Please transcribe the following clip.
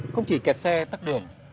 không chỉ kẹt xe tắt đường